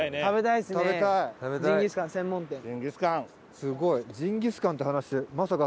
すごい。